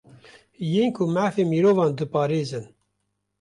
Yên ku mafê mirovan diparêzin